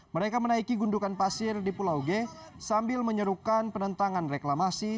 mereka menaiki gundukan pasir di pulau g sambil menyerukan penentangan reklamasi